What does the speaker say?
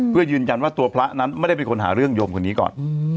เพื่อยืนยันว่าตัวพระนั้นไม่ได้เป็นคนหาเรื่องโยมคนนี้ก่อน